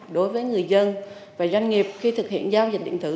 đối với người dân và doanh nghiệp khi thực hiện giao dịch điện tử